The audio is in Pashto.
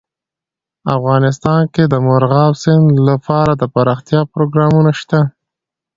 افغانستان کې د مورغاب سیند لپاره دپرمختیا پروګرامونه شته.